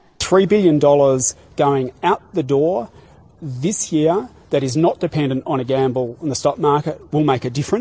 tiga miliar dolar yang akan keluar dari pintu tahun ini yang tidak bergantung pada gambar di pasar stok akan membuat perbedaan